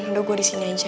udah gue disini aja